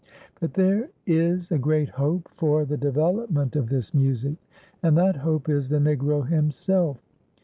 But there is a great hope for the development of this music, and that hope is the Negro himself.